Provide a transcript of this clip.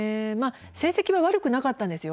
成績は悪くなかったんですよ。